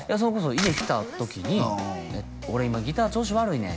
家来た時に「俺今ギター調子悪いねん」